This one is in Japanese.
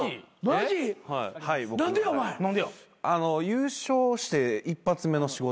優勝して１発目の仕事で。